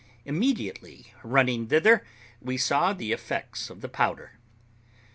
Immediately running thither, we saw the effects of the powder.